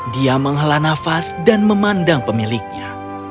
dia menghala nafas dan memandang pemiliknya